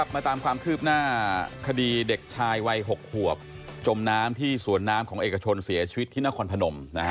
มาตามความคืบหน้าคดีเด็กชายวัย๖ขวบจมน้ำที่สวนน้ำของเอกชนเสียชีวิตที่นครพนม